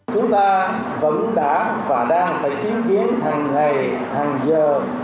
chúng ta vẫn đã và đang phải chứng kiến hằng ngày hằng giờ